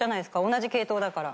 同じ系統だから。